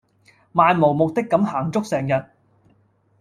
漫無目的咁行足成日